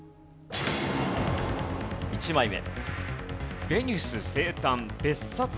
１枚目。